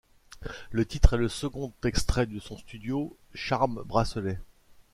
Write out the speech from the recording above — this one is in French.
Le titre est le second extrait de son studio Charmbracelet.